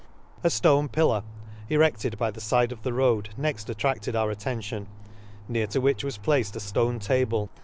A Stone Pillar, erected by the fide of the road, next attracted our attention ; near to which was placed a ftone table.